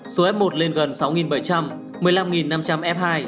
số f một lên gần sáu bảy trăm một mươi năm năm trăm linh f hai